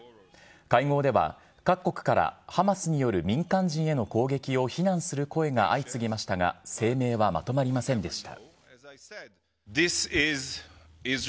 会合では、各国からハマスによる民間人への攻撃を非難する声が相次ぎましたが、声明はまとまりませんでした。